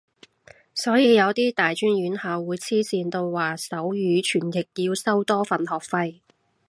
所以有啲大專院校會黐線到話手語傳譯要收多份學費